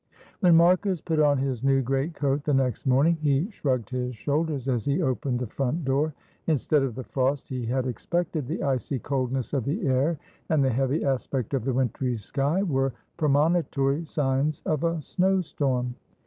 When Marcus put on his new great coat the next morning, he shrugged his shoulders as he opened the front door. Instead of the frost he had expected, the icy coldness of the air and the heavy aspect of the wintry sky were premonitory signs of a snow storm.